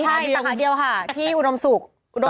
ใช่สาขาเดียวค่ะที่อุดมศุกร์